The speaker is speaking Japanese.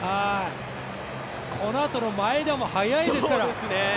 このあとの前田も速いですから。